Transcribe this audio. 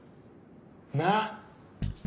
なっ？